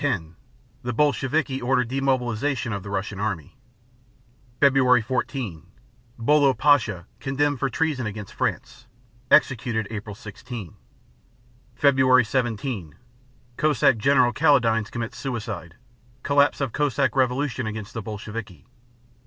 10 The Bolsheviki order demobilization of the Russian army. Feb. 14 Bolo Pasha condemned for treason against France; executed April 16. Feb. 17 Cossack General Kaledines commits suicide. Collapse of Cossack revolt against the Bolsheviki.